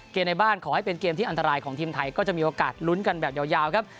ในบ้านขอให้เป็นเกมที่อันตรายของทีมไทยก็จะมีโอกาสลุ้นกันแบบยาวครับ